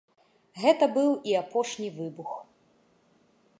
Гэта быў і апошні выбух.